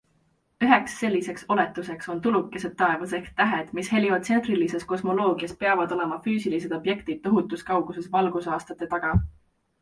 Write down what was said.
Üheks selliseks oletuseks on tulukesed taevas ehk tähed, mis heliotsentrilises kosmoloogias PEAVAD olema füüsilised objektid tohutus kauguses valgusaastate taga.